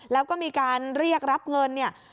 แล้วก็มีการเรียกรับเงินเนี่ย